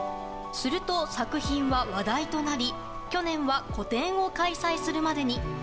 すると、作品は話題となり去年は個展を開催するまでに。